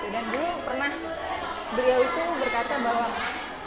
dulu pernah beliau itu berkata bahwa